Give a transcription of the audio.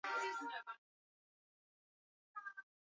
Nyerere alikuwa ameyatoa sadaka maisha ya Tanganyika kwa Zanzibar